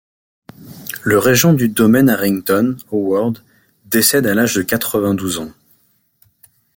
Le régent du domaine Harrington, Howard, décède à l’âge de quatre-vingt-douze ans.